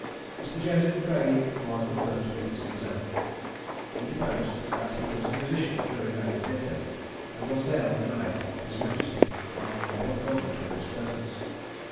Mr. Joseph Craig was the first witness examined. He deposed, that he was a musician at Drury Lane Theatre, and was there on the night of his Majesty honouring the performance with his presence.